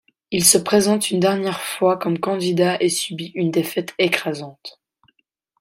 Il se présente une dernière fois comme candidat et subit une défaite écrasante.